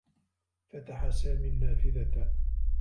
فتح سامي النّافذة.